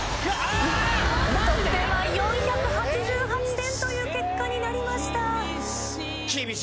得点は４８８点という結果になりました。